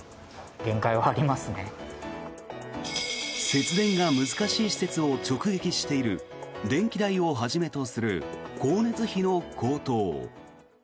節電が難しい施設を直撃している電気代をはじめとする光熱費の高騰。